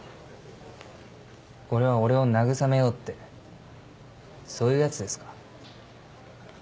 これは俺を慰めようってそういうやつですか？